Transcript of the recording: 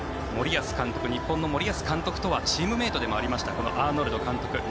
日本の森保監督とはチームメートでもありましたアーノルド監督。